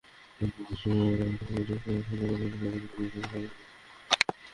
বেশি ময়েশ্চারাইজার যুক্ত সানস্ক্রিন ব্যবহার করুন, প্রয়োজনে পানি মিশিয়ে ব্যবহার করুন।